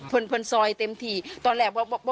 เป็นพวกเด็กขี่ไผล